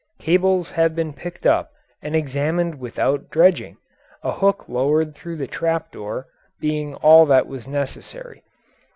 Cables have been picked up and examined without dredging a hook lowered through the trap door being all that was necessary.